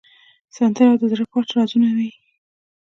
سندره د زړه پټ رازونه وایي